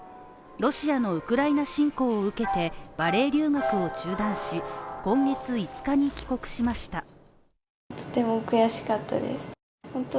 ロシアのウクライナ侵攻を受けてバレエ留学を中断し今月５日に帰国しました。